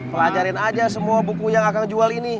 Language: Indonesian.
pelajarin aja semua buku yang akang jual ini